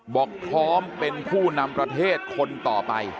บอกพร้อมเป็นผู้นำประเทศคนต่อไป